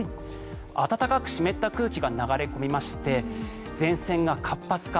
暖かく湿った空気が流れ込みまして前線が活発化。